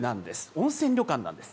温泉旅館なんです。